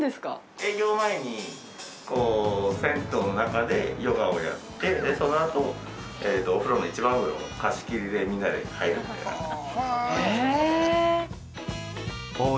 ◆営業前に銭湯の中でヨガをやってそのあと、お風呂の一番風呂貸し切りでみんなで入るみたいな。